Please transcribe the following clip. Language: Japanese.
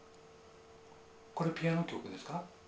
これピアノ曲ですか？